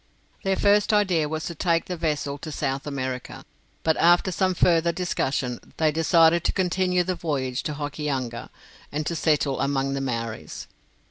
Their first idea was to take the vessel to South America, but after some further discussion, they decided to continue the voyage to Hokianga, and to settle among the Maoris.